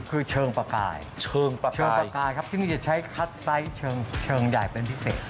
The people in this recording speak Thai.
คือเชิงประกายเชิงประกายครับที่นี่จะใช้คัดไซส์เชิงใหญ่เป็นพิเศษ